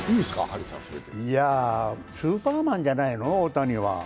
スーパーマンじゃないの、大谷は。